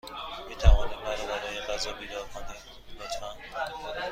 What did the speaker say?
می توانید مرا برای غذا بیدار کنید، لطفا؟